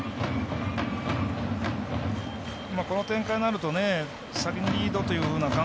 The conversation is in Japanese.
この展開になると先にリードというようなことｗ